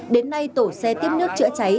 đến nay tổ xe tiếp nước chữa cháy